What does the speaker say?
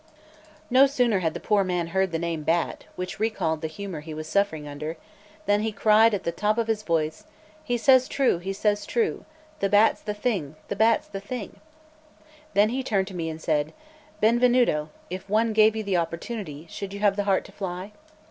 No sooner had the poor man heard the name bat, which recalled the humour he was suffering under, than he cried out at the top of his voice: "He says true he says true; the bat's the thing the bat's the thing!" Then he turned to me and said: "Benvenuto, if one gave you the opportunity, should you have the heart to fly?"